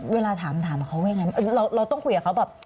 เวลาถามเขายังไงเราต้องคุยกับเขาแบบ